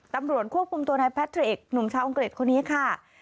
ตำรวจควบคุมตัวนายแพทเทรกหนุ่มชาวอังกฤษคนนี้ค่ะ